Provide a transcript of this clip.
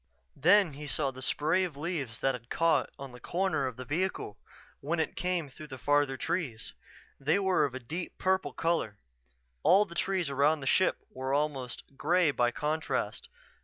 Then he saw the spray of leaves that had caught on the corner of the vehicle when it came through the farther trees. They were of a deep purple color. All the trees around the ship were almost gray by contrast.